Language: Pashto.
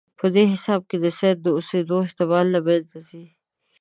په دې حساب د سید د اوسېدلو احتمال له منځه ځي.